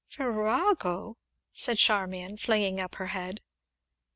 "Virago!" said Charmian, flinging up her head.